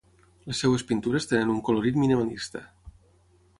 Les seves pintures tenen un colorit minimalista.